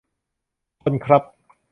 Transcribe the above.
คนครับ